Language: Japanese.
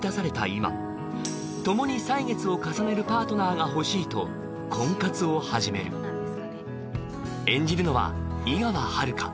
今ともに歳月を重ねるパートナーが欲しいと婚活を始める演じるのは井川遥